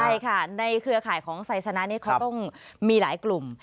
ใช่ค่ะในเครือข่ายของไซสนะนี่เขาต้องมีหลายกลุ่ม